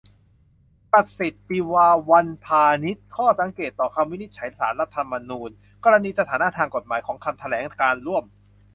ประสิทธิ์ ปิวาวัฒนพานิช : ข้อสังเกตต่อคำวินิจฉัยศาลรัฐธรรมนูญ กรณีสถานะทางกฎหมายของคำแถลงการณ์ร่วม